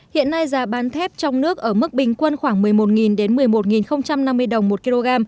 hiện nay giá bán thép trong nước ở mức bình quân khoảng một mươi một một mươi một năm mươi đồng một kg